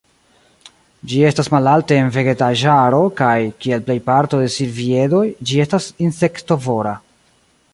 Ĝi estas malalte en vegetaĵaro, kaj, kiel plej parto de silviedoj, ĝi estas insektovora.